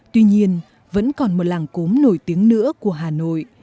tuy nhiên vẫn còn một làng cốm nổi tiếng nữa của hà nội